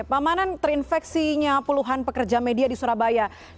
pamanan terinfeksinya puluhan pekerja media di surabaya